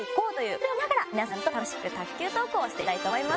それを見ながら皆さんと楽しく卓球トークをしていきたいと思います。